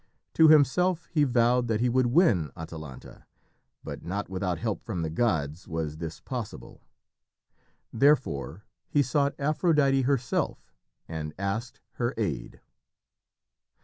To himself he vowed that he would win Atalanta, but not without help from the gods was this possible. Therefore he sought Aphrodite herself and asked her aid.